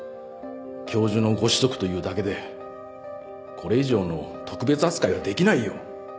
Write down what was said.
教授のご子息というだけでこれ以上の特別扱いはできないよ